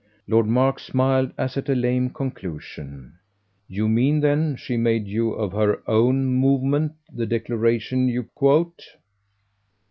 Lord Mark smiled as at a lame conclusion. "You mean then she made you of her own movement the declaration you quote?"